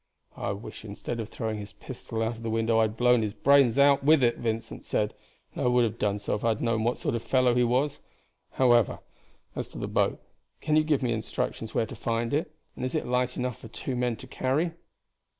"I wish instead of throwing his pistol out of the window I had blown his brains out with it," Vincent said; "and I would have done so if I had known what sort of fellow he was. However, as to the boat, can you give me instructions where to find it, and is it light enough for two men to carry?"